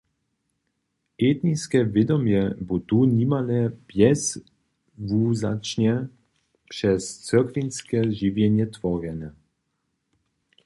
Etniske wědomje bu tu nimale bjezwuwzaćnje přez cyrkwinske žiwjenje tworjene.